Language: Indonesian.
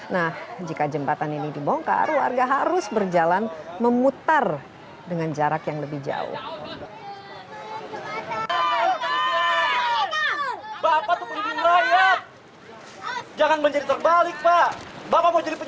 nah jika jembatan ini dibongkar warga harus berjalan memutar dengan jarak yang lebih jauh